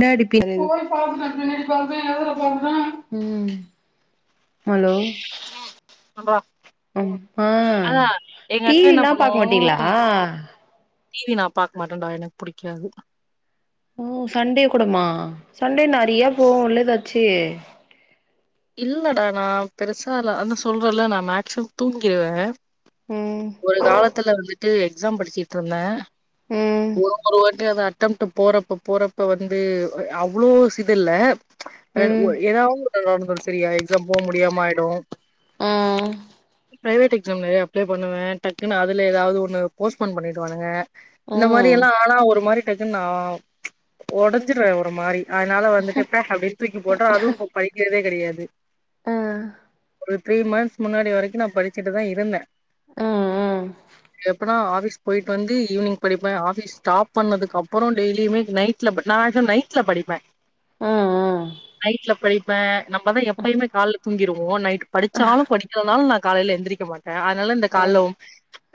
டா இருக்கு ம் ஹலோ சொல்றா ம் ஆ டி அக்கா வி என்ன லா பாக்க மாட்டீளா டி வி நா பாக்க மாட்டேன்டா எனக்கு புடிக்காது ஓ சண்டே கூடமா சண்டே நெறையா போவுல எதாச்சு இல்லடா நா பெருசாலா நாந்தா சொல்றல்ல நா மேக்சிமம் தூங்கிருவே ம் ஒரு காலத்துல வந்துட்டு எக்ஸாம் படிச்சுகிட்ருந்த ம் ஒரு ஒரு வாட்டியு அது அட்டம்ட்டு போறப்ப போறப்ப வந்து எ அவ்ளோ சிது இல்ல என் ம் ஒ எதாவ்து ஒரு கல்யாண வந்ச் செரியா எக்ஸாம் போ முடியாம ஆயிடு ஆ பிரைவேட் எக்ஸாம் நெறையா அப்ளை பண்ணுவே டக்குன்னு அதுல எதாவ்து ஒன்னு போஸ்ட்பாண் பண்ணிடுவானுங்க ஆ இந்த மாரியெல்லா ஆனா ஒரு மாரி டக்குன் நா ஒடஞ்சிருவ ஒரு மாரி அதுனால வந்துட்டு பே அப்டின் தூக்கி போட்டா அதுவு இப்ப படிக்கிறதே கெடையாது ஆ ஒரு த்ரீ மந்த்ஸ் முன்னாடி வரைக்கு நா படிச்சுட்டுதா இருந்தே ம் எப்பனா ஆஃபீஸ் போயிட்டு வந்து ஈவினிங் படிப்பே ஆஃபீஸ் ஸ்டாப் பண்ணதுக்கு அப்பறோ டெய்லியுமே நைட் ல படி நா எப்பயு நைட்ல படிப்பே ஓ ஓ நைட்ல படிப்பே நம்பதா எப் எப்பயுமே கால்ல தூங்கிருவோ நைட் படிச்சாலு படிக்கலனாலு நா காலைல எந்திரிக்க மாட்டே அதுனால இந்த எ கால்ல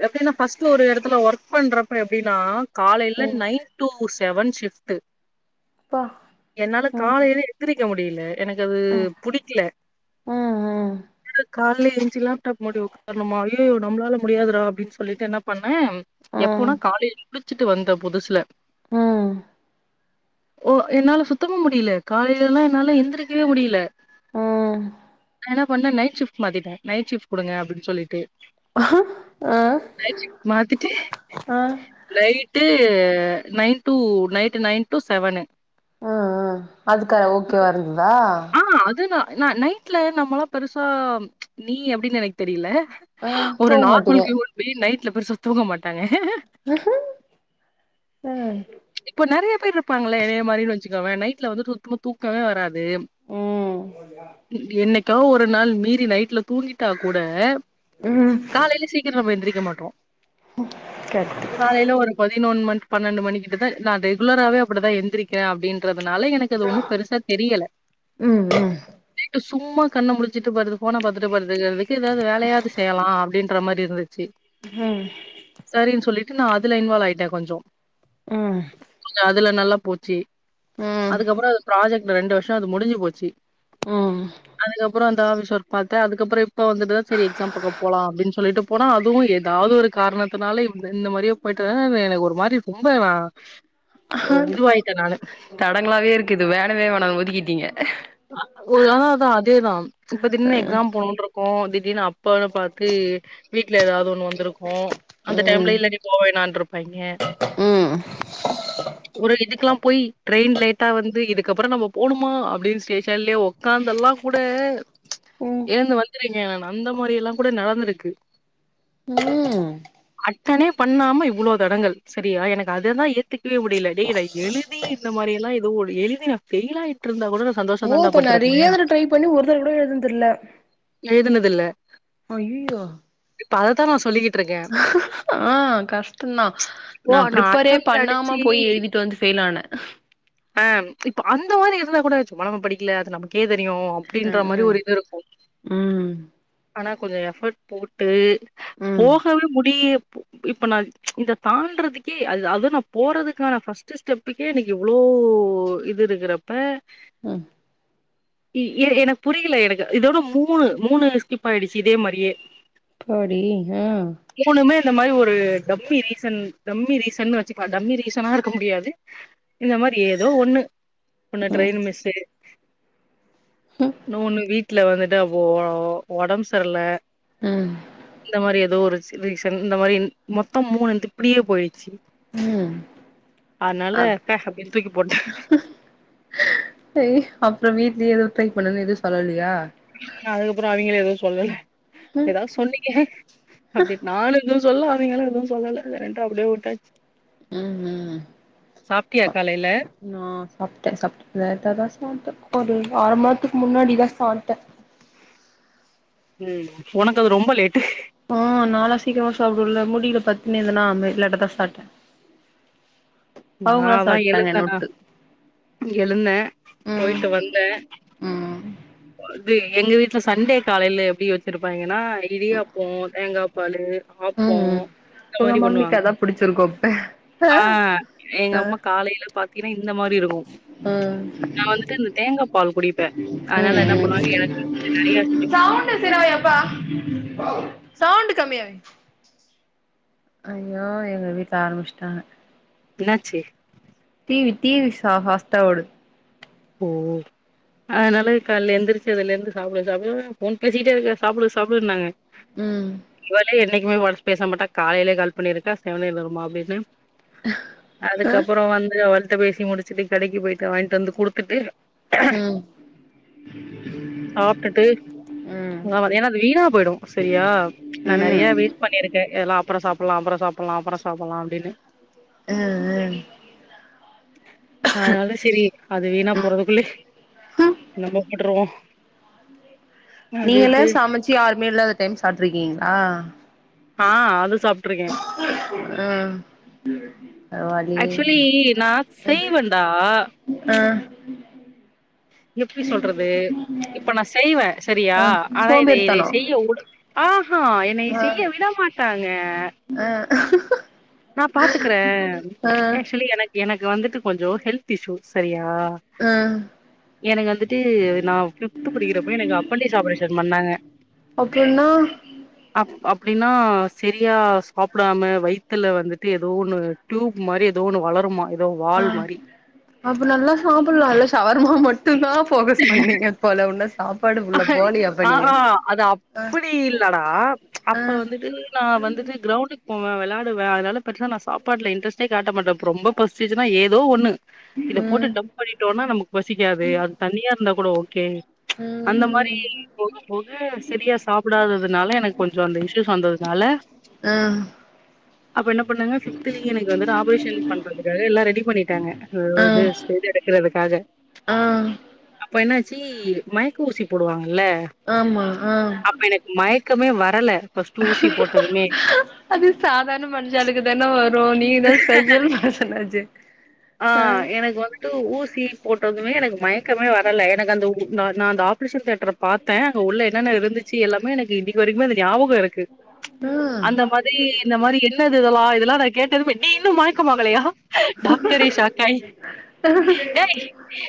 எப்டினா ஃபஸ்ட்டு ஒரு எடத்துல ஒர்க் பண்றப்ப எப்டினா காலைல நைன் டு செவன் ஷிஃப்ட்டு அப்பா என்னால காலைல எந்திரிக்க முடியல எனக்கு அது ம் புடிக்ல ம் ம் காலைல எந்ச்சு லேப்டாப் முன்னாடி ஒக்காரனுமானு நம்மளால முடியாதுடா அப்டின் சொல்லிட்டு என்ன பண்ணே ம் எப்போனா காலேஜ் முடுச்சிட்டு வந்த புதுசுல ம் ஒ என்னால சுத்தமா முடியல காலைலலா என்னால எந்திரிக்கவே முடியல அம் நா என்ன பண்ணே நைட் ஷிஃப்ட் மாத்திட்டே நைட் ஷிஃப்ட் குடுங்க அப்டின் சொல்லிட்டு ஆ நைட் ஷிஃப்ட் மாத்திட்டு ஆ night nine to night nine to seven ம் ம் அதுக்கா ஓகேவா இருந்ததா அதுதா நா நைட்ல நம்மலா பெருசா நீ எப்டின்னு எனக்கு தெரிய்ல ஆ ஒரு தூங்க நார்மல் மாட்டீங்க ஹியூமன்பியிங் நைட்ல பெருசா தூங்க மாட்டாங்க அ இப்ப நெறைய பேரு இருப்பாங்கள என்னைய மாரின் வச்சுக்கோவே நைட்ல வந்துட்டு து து தூக்கமே வராது ம் என்னைக்கா ஒரு நாள் மீறி நைட்ல தூங்கிட்டா கூட ம் காலைல சீக்கிர நம்ம எந்திரிக்க மாட்டோ கத்து காலேல ஒரு பதினொன் மண் பன்னெண்டு மணி கிட்டதா நா ரெகுலராவே அப்பிடிதா எந்திரிக்கிறே அப்டின்றதுனால எனக் கு அது ஒன்னு பெருசா தெரியல ம் ம் டு சும்மா கண்ண முழிச்சுட்டு படுது போன பாத்துட்டு படுத்துகறதுக்கு ஏதாவது வேலயாவது செய்யலா அப்டின் ற மாரி இருந்துச்சு ம் சரின்னு சொல்லிட்டு நா அதுல இன்வால் ஆயிட்டே கொஞ்சோ ம் அதுல நல்லா போச்சு ம் அதுக்கப்பறோ அது ப்ராஜக்ட்ல ரெண்டு வருஷோ அது முடுஞ்சு போச்சு ம் அதுக்கப்பறோ அந்த ஆபீஸ்வொர்க் பாத்தே அதுக்கப்பறோ இப்ப வந்துட்டுதா செரி எக்ஸாம் பக்கம் போலா அப்டின்னு சொல்லிட்டு போனா அதுவு ஏதாவது ஒரு காரணத்துனால இந்த இந்த மாரியே போய்ட்டு [unintelligible] எனக்கு ஒரு மாரி ரொம்ப நா இதுவாயிட்டே நானு தடங்களாவே இருக்கு இது வேணவே வேணா ஒதுக்கீட்டீங்க ஒரு ஆ தா அதேதா இப்ப திடீர்னு ம் எக்ஸாம் போனூம்று கோவோ திடீர்னு அப் அப்பன்னு பாத்து வீட்ல ஏதாவது ஒண்ணு வந்துருக்கு அந்த டைம்ல இல்ல நீ போவேணான்ருப்பாய்ங்க ம் ஒரு இதுக்கலா போய் ட்ரெய்ன் லேட்டா வந்து இதுக்கப்பறோ நம்ம போணுமா அப்டின் ஸ்டேஷன்லயே உக்காந்தல்லா கூட ம் எழுந்து வந்துருக்கே நானு அந்த மாரி எல்லா கூட நடந்துருக்கு ம் அட்டனே பண்ணாம இவ்வளோ தடங்கல் சரியா எனக்கு அததா ஏத்துக்கவே முடில டேய் நா எழுதி இந்த மாரி எல்லா எதுவு ஒடு எழுதி நா ஃபெயில் ஆயிட்ருந்த கூட நா சந் ஓ அப்ப நெறையா தடவ ட்ரை பண்ணி ஒரு தடவ கூட எழுதுனது இல்ல எழுதுனது இல்ல அய்யய்யோ இப்ப அததா நா சொல்லிக்கிட் ஆ கஷ்டந்தா இப்போ நா பிரிப்பரே அட்டம்ட் பண்ணாம அடிச்சு போயி எழுதிட்டு வந்து ஃபெயில் ஆனே ஆ இப்ப அந்தமாரி இருந்தா கூட சும்மா நம்ம படிக்கல அது நமக்கே தெரியு அப்டின்ற மாரி ஆ ஒரு இது இருக்கு ம் ஆனா கொஞ்ச எஃபர்ட் போட்டு ம் போகவே முடிய இப்ப நா இத தாண்டுறதுக்கே அதா அது நா போறதுக்கான ஃபஸ்ட்டு ஸ்டெப்புக்கே இன்னக்கி இவ்ளோ இது இருக்குறப்ப அ எ எனக்கு புரியல எனக்கு இதோட மூணு மூணு ஸ்கிப் ஆய்டுச்சு இதே மாரியே அப்பாடி அ மூணுமே இந்த மாரி ஒரு டம்மி ரீசன் டம்மி ரீசன்னு வச்சுக்கலா டம்மி ரீசனா இருக்க முடியாது இந்த மாரி ஏதோ ஒண்ணு ஒண்ணு ட்ரெய்ன் ம் மிஸ்ஸு இன்னோ ஒண்ணு வீட்ல வந்துட்டு அப்போ ஒ ஒடம்பு சர்ல ம் இந்த மாரி ஏதோ ஒரு சி ரீசன் இந்த மாரி இன் மொத்தோ மூணு வந்து இப்டியே போய்றுச்சு ம் அனால அ பே அப்டின் தூக்கி போட்டே அய்ய அப்பறோ வீட்லயே எதூ ட்ரை பண்ணுனு எது சொல்லலயா அதுக்கப்பறோ அவிங்களு எதுவு சொல்லல ம் ஏதாவது சொன்னீங்க அப்டே நானு எதுவு சொல்லல அவிங்களு எதுவு சொல்லல செரின்ட்டு அப்டே விட்டாச்சு ம் ம் சாப்ட்டியா காலைல நா சாப்ட்டே சாப்ட்டே லேட்டா தா சாப்ட்டே ஒரு ஆற மண் நேரத்துக்கு முன்னாடிதா சாப்ட்ட ம் ஒனக்கு அது ரொம்ப லேட்டு ஆ நாலா சீக்கரமா சாப்டுவல்ல முடில சட்னு இதெல்லா [unintelligible] லேட்டா தா சாப்ட்ட நா தா சாப்ட்டாங்க எழுந்த என்ன நா வுட்டு எழுந்த ம் போயிட்டு வந்தே ம் அது எங்க வீட்ல சண்டே காலைல எப்டி வச்சிருப்பாய்ங்கனா இடியாப்போ தேங்கா பாலு ம் ஆப்போ ம் இந்த உங்க மாரி மம்மிக்கு பண்ணுவாங்க அதா புடிச்சிருக்கு அப்ப ஆ எங்க ஆ அம்மா காலைல பாத்தீனா இந்த மாரி இருக்கு ம் நா வந்துட்டு இந்த தேங்கா பால் குடிப்பே அய்னால என்ன பண்ணுவாங்க எனக்கு கொஞ்சோ நெறையா செஞ்சு சவுண்ட்ஸ்ரவை அப்பா சவுண்ட் கம்மிய ஐயோ எங்க வீட்ல ஆரம்பிச்ட்டாங்க என்னாச்சு டீவி டீவி ச ஃபாஸ்ட்டா ஓடுது ஓ அய்னால கால்ல எழுந்திரிச்சதுலே ருந்து சாப்டு சாப்டு ஃபோன் பேசிட்டேருக்கே சாப்டு சாப்டுன்னாங்க ம் இவளே என்னைக்குமே ஒன்ஸ் பேச மாட்டா காலைலே கால் பண்ணிருக்கா செவுனேனு இருமா அப்டின்னு அதுக்கப்றோ வந்து அவுள்ட்ட பேசி முடிச்சுட்டு கடைக்கு போய்ட்டு வாங்கிட்டு வந்து குடுத் துட்டு ம் சாப்டுட்டு ம் ஆ ஏனா வீணா போயிடு செரியா நா ம் நெறையா வெய்ட் பண்ணிருக்கே இதெல்லா அப்பறோ சாப்புல்லா அப்பறோ சாப்புல்லா அப்பறோ சாப்புல்லா அப்டின்னு ஆ ஆ அய்னால செரி அது வீணா போறதுக்குள்ளே நம்ம போட்ருவோ நீங்களே அப்டின்ட்டு சமைச்சு யாருமே இல்லாத டைம் சாப்டுருக்கீங்களா ஆ அது சாப்ட்டுருக்கே ம் பரவால்லயே ஆக்சுவலி நா செய்வே தா ஆ எப்டி சொல்றது இப்ப நா செய்வே செரியா ஆ ஆனா இத இத சோம்பேறித்தனோ செய்ய உட ஆ ஹா என்னைய ஆ செய்ய விட மாட் டாங்க ஆ நா பாத்துக்குறே ஆ ஏக்சுலி எனக் எனக்கு வந்துட்டு கொஞ்சோ ஹெல்த் இஷ்ஷூ செரியா ஆ எனக்கு வந்துட்டு நா ஃபிஃப்த்து படிக்றப்ப எனக்கு அப்பண்டிஸ் ஆப்ரேஷன் பண்ணாங்க அப்டின்னா அப் அப்டின்னா செரியா சாப்டாம வயித்துல வந்துட்டு எதோ ஒன்னு டியூப் மாரி எதோ ஒன்னு வளருமா ஏதோ ஆ வால் மாரி அப்ப நல்லா சாப்புல்லால ஷவர்மா மட்டுந்தா ஃபோக்கஸ் பண்ணிங்க போல ஒன்னு சாப்பாடு குள்ள போலயே அப்ப நீங்க ஆஹா அது அப்டி இல்லடா ஆ அப்ப வந்துட்டு நா வந்துட்டு கிரௌண்டுக் போவே வெளாடுவே அதனால பெருசா நா சாப்பாட்ல இன்ட்ரஸ்ட்டே காட்ட மாட்டே ரொம்ப பசிச்சுன்னா ஏதோ ஒன்னு இத போட்டு ம் டம்ப் பண்ணிட்டோனா நமக்கு பசிக்காது அது தண்ணியாருந்தா கூட ஓகே ம் அந்த மாரி போக போக சரியா சாப்டாததுனால எனக்கு கொஞ்சொ அந்த இஷ்யூஸ் வந்ததுனால ஆ அப்ப என்ன பண்ணாங்க ஃபிவ்த்லயே எனக்கு வந்து ஆப்ரேஷன் பண்றதுக்காக எல்லா ரெடி பண்ணிட்டாங்க அ ஆ இது செஞ்சு எடுக்குறதுக்காக ஆ அப்ப என்னாச்சி மயக்க ஊசி போடுவாங்கல்ல ஆமா ஆ அப்ப எனக்கு மயக்கமே வரல ஃபஸ்ட்டு ஊசி போட்டதுமே அது சாதார்ண மனுஷாளுக்கு தான வரு நீங்க தா ஸ்பெஷல் மனுஷனாச்சே ஆ எனக்கு வந்து ட்டு ஊசி போட்டதுமே எனக்கு மயக்கமே வரல எனக்கு அந்த நா நா அந்த ஆப்ரேஷன் தேட்ர பாத்தே அங்க உள்ள என்னென்ன இருந்துச்சு எல்லாமே எனக்கு இன்னக்கி வரைக்குமே அந்த ஞாபகொருக்கு ஆ அந்த மாரி இந்த மாரி என்னது இதெல்லா இதெல்லா நா கேட்டதுமே நீ இன்னும் மயக்கமாகலையா டாக் ட்ரே ஷாக் ஆயி டேய்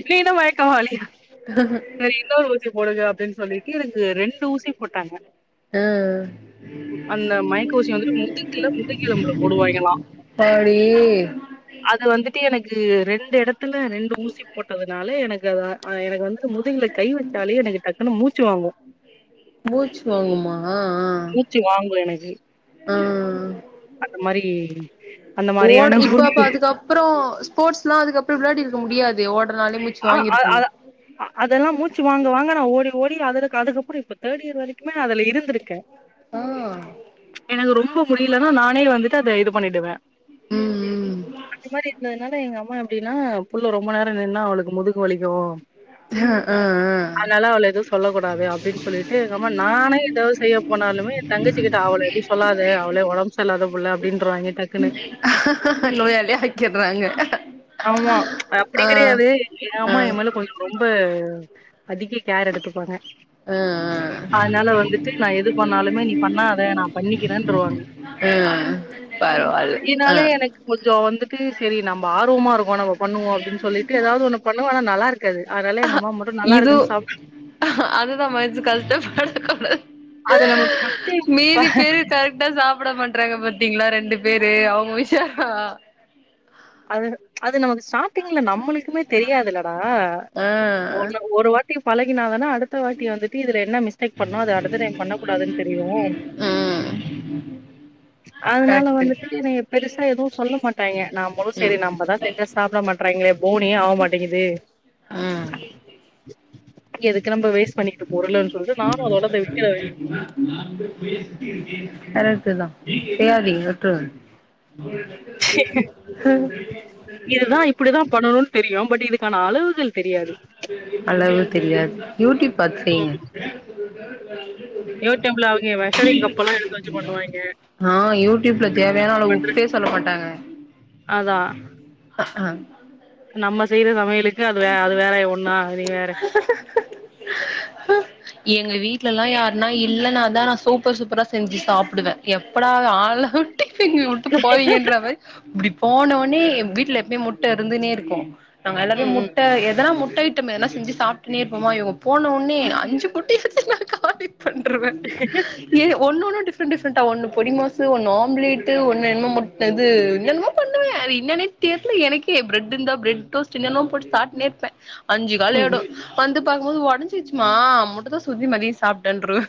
நீ இன்னு மயக்கமாலையா செரி இன்னொரு ஊசி போடுங்க அப்டின் சொல்லிட்டு எனக்கு ரெண்டு ஊசி போட்டாங்க ஆ அந்த மயக்க ஊசி வந்துட்டு முதுகுல முதுகெலும்புல போடுவாய்ங்கலா அம்மாடி அது வந்துட்டு எனக்கு ரெண்டு எடத்துல ரெண்டு ஊசி போட்டதுனால எனக்கு அதா ஆ எனக்கு வந்து முதுகுல கை வச்சாலே எனக்கு டக்குன்னு மூச்சு வாங்கு மூச்சு வாங்குமா ஆ மூச்சு வாங்கு எனக்கு ஆ ஆ அந்த மாரி அந்த மாரியான அப்பறோ ஸ்போர்ட்ஸ்லா அதுக்கப்றோ வெளயாடிருக்க முடியாதே ஓடனாலே ஆ அ அ அதெல்லா மூச்சு வாங்க வாங்க நா ஓடி ஓடி அதுரக் அதுக்கப்றோ இப்ப தேர்ட் இயர் வரைக்குமே நா அதுல இருந்திருக்கே ஆ எனக்கு ரொம்ப முடியலன்னா நானே வந்து ட்டு அத இது பண்ணிடுவே ம் ம் அந்த மாரி இருந்ததுனால எங்கம்மா எப்டின்னா புள்ள ரொம்ப நேரோ நின்னா அவளுக்கு முதுகு வலிக்கு அ ஆ ஆனால அவள எது சொல்லக் கூடாது அப்டின் சொல்லிட்டு எங்கம்மா நானே எதாது செய்ய போனாலுமே எ தங்கச்சிக்கிட்ட அவள எது சொல்லாத அவளே ஒடம்பு சரில்லாத புள்ள அப்டின்றுவாய்ங்க டக்குன்னு நோயாளியா ஆக்கிட்றாங்க ஆமா அது அப்டி கெடயாது எ அம்மா எ ஆ மேல கொஞ் ரொம்ப அதிக கேர் எடுத்துப்பாங்க அ ஆ ஆனால வந்துட்டு நா எது பண்ணாலுமே நீ பண்ணாத நா பண்ணிக்கிறேன்ருவாங்க ம் பரவால்ல ஆ இதனாலே எனக்கு கொஞ்சோ வந்துட்டு செரி நம்ப ஆர்வமாருக்கோ நம்ப பண்ணுவோ அப்டின் சொல்லிட்டு எதாது ஒன்னு பண்ணுவே ஆனா நல்லாரு க்காது ஆனால எங்கம்மா மட்டு இது நல்லாருக்குன் சாப் அதுதா மனசு கஷ்டப்படக்கூடாது அது நமக்கு ஃபர்ஸ்ட் மீதி பேரு இந்தா சாப்ட மாட்றாங்க பாத்தீங்ளா ரெண்டு பேரு அவ்ங்க உஷாரா அது அது நமக்கு ஸ்டாடிஙல நம்மளுக்குமே தெரியாதுலடா ஆ ஒன்னு ஒரு வா ட்டி பழகினாதான அடு த்த வாட்டி வந்துட்டு இதுல என்ன மிஸ்டேக் பண்ணோ அத அடுத்த டைம் பண்ணக்கூடாதுன் தெரியு ம் அதுனால கரெக்ட்டு வந்துட்டு இவய்ங்க பெருசா எதூ சொல்ல மாட்டாய்ங்க நான் முழுஸ் ம் சேரி நம்பதா செஞ்சா சாப்ட மாட்றாய்ங்ளே போனியே ஆவ் மாட்டேங்குது ம் எதுக்கு நம்ப வேஸ் பண்ணிகிட்டு பொருளன் சொல்ட்டு நானு அதோட போய் விக்கறத கரெக்ட்டு தா செய்யாதீங்க விட்றுங்க சேர் இததா இப்பிடிதா பண்ணனுன் தெரியு பட் இதுக்கான அளவுகள் தெரியாது அளவு தெரியாது யூ டியூப் பாத்து செய்ங்க யூடியூப்ல அவிங்க மெஷரிங் கப்பெல்லா எடுத்து வச்சு பண்ணுவாய்ங்க ஆ யூ டியூப்ல தேவையான அளவு பண்ற உப்பே சொல்ல மாட்டாங்க அதா ஹ ஆ நம்ம செய்ற சமையலுக்கு அதுவ அது வேறய ஒண்ணா நீ வேற ஹு எங்க வீட்லலா யார்னா இல்லனாதா நான் சூப்பர் சூப்பரா செஞ்சு சாப்டுவ எப்படாது ஆள்ல உட்டு இங்க உட்டு போவீங்கன்ற மாரி இப்டி போனோனே வீட்ல எப்மே முட்ட இருந்துன்னே இருக்கு நாங்க எல்லார்மே ம் முட் ம் எதனா முட்டய்ட்டம் எதனா செஞ்சு சாப்ட்டுனே இருப்போமா இவுங்க போன ஒனே அஞ்சு பொட்டி [unintelligible] காட்டி பண்ட்ருவ ஒன்னு ஒன்னூ டிஃப்ரெண் டிஃப்ரெண்ட்டா ஒன்னு பொடி மாஸு ஒன்னு ஆம்லேட்டு ஒன்னு என்ன முட்டது என்மோ பண்ணுவே அது இன்னனே தெர்ல எனக்கே பிரட் இர்ந்தா பிரெட் டோஸ்ட் இல்லனோ போட் சாப்ட்னே இர்ப்ப அஞ்சு காலி ம் ஆய்டு வந்து பாக்குமோது ஒடஞ்சிச்சுமா முட்ட தோஸ் ஊத்தி மதியி சாப்ட்டேன்ட்ருவ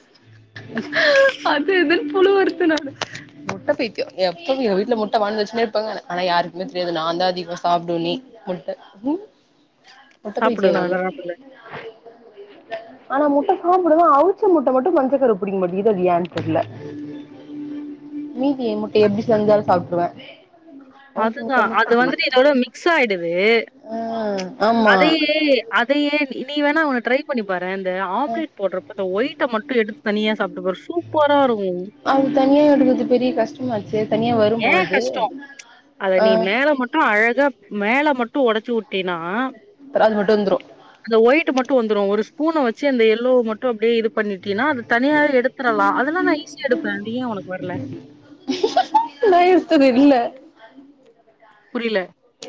அது இதுன் புழுவர்து நானு முட்ட பைத்தியோ எப்பவு எங்க வீட்ல முட்ட வான்வச்னே இர்ப்ப நானு ஆனா யாருக்குமே தெரியாது நாந்தா அதிகுமா சாப்டுவனே முட்ட முட்ட சாப்டு பைத்தியோ நானு வல்ல சாப்டு ஆனா முட்ட சாப்புடுவ அவுச்ச முட்ட மட்டு மஞ்சகரு புடிக்க மாட்டிங்குது அது ஏன் தெர்ல மீதிய முட்டய எப்டி செஞ்சாலு சாப்ட்டுவ அதுதா அது வந்துட்டு இதோட மிக்ஸ் ஆய்டுது ஆ ஆம் அது அதையே நீ நீ வேணா ஒன்னு ட்ரை பண்ணிப்பாறே இந்த அ ஆம்லேட் போட்றப்ப அந்த ஒய்ட்ட மட்டு எடுத்து தனியா சாப்ட்டு பாரு சூப்பரா இருக்கு அது தனியா எடுக்கர்து பெரிய கஷ்டமாச்சே தனியா வருமா ஏன் அது ஆ அ அழகா மேல மட்டு ஒடச்சு உட்டினா அப்புறோ அது மட்டு வந்துரு அந்த ஒயிட் மட்டு வந்துரு ஒரு ஸ்பூன வச்சு அந்த எல்லோ மட்டு அப்டே இது பண்ணிட்டீனா அது தனியா எடுத்துரலா அதெல்லா நான் ஈசியா எடுப்பேன் அதியேன் ஒனக்கு வர்ல நான் எட்தது இல்ல புரில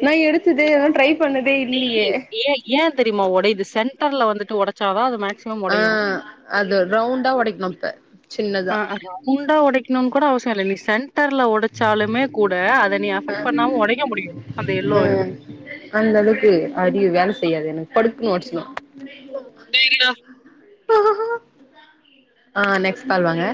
நான் எடுத்துதே இதுலா ட்ரை பண்ணதே இல்லியே செய் ஏன் ஏன் தெரிமா ஒடைது சென்டர்ல வந்துட்டு ஒடச்சாதா அது மேக்ஸிமம் ஆ உடையும். அது ரவுண்டா ஒடைக்ணுப்ப அஅ முண்டா உடைக்கணுன் கூட அவசியோ இல்ல நீ சென்டர்ல உ டச்சாலுமே கூட அத நீ அ அஃபெக்ட் பண்ணாம உடைக்க முடியாது அந்த அ எல்லோவ அந்த அளவுக்கு அரிவு வேல செய்யாது எனக்கு படுக்குனு ஒடச்சினு டேய் நா ஆ நெக்ஸ் பால் வாங்க